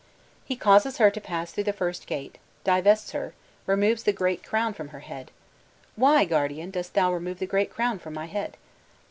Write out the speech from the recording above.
'He causes her to pass through the first gate, divests her, removes the great crown from her head: 'Why, guardian, dost thou remove the great crown from my head?